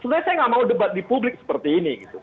sebenarnya saya nggak mau debat di publik seperti ini gitu